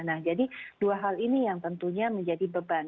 nah jadi dua hal ini yang tentunya menjadi beban